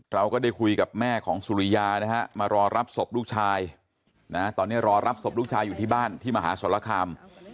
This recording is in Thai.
เราก็ได้คุยกับแม่ของสุริยานะฮะมารอรับศพลูกชายนะตอนนี้รอรับศพลูกชายอยู่ที่บ้านที่มหาสรคาม